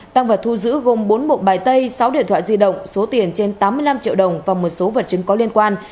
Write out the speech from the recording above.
tăng vật thu giữ gồm bốn bộ bài tay sáu điện thoại di động số tiền trên tám mươi năm triệu đồng và một số vật chứng có liên quan